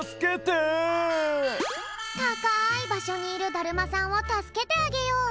たかいばしょにいるだるまさんをたすけてあげよう！